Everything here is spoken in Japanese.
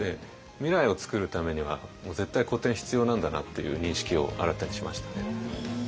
未来を作るためには絶対古典必要なんだなっていう認識を新たにしましたね。